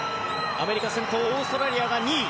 アメリカ、先頭オーストラリアが２位。